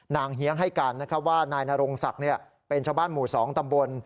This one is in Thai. เฮียงให้การว่านายนรงศักดิ์เป็นชาวบ้านหมู่๒ตำบล